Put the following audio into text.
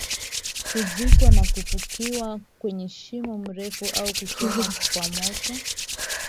kuzikwa na kufukiwa kwenye shimo refu au kuchomwa kwa moto